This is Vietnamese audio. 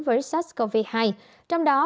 với sars cov hai trong đó